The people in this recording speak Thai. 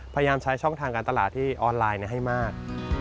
พยายามใช้ช่องทางการตลาดที่ออนไลน์ให้มาก